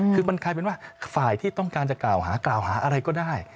คือมันคลายเป็นว่าฝ่ายที่ต้องการจะกล่าวหาไปก็ได้